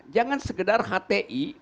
jangan sekedar hti